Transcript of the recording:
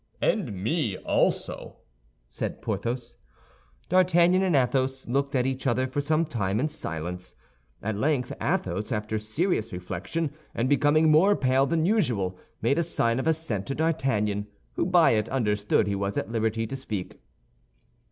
"And me also," said Porthos. D'Artagnan and Athos looked at each other for some time in silence. At length Athos, after serious reflection and becoming more pale than usual, made a sign of assent to D'Artagnan, who by it understood he was at liberty to speak.